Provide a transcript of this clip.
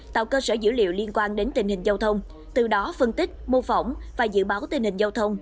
tạo cơ sở dữ liệu liên quan đến tình hình giao thông từ đó phân tích mô phỏng và dự báo tình hình giao thông